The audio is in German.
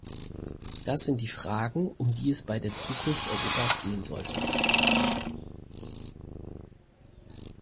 Das sind die Fragen, um die es bei der Zukunft Europas gehen sollte.